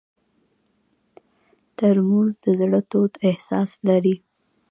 ترموز د زړه تود احساس لري.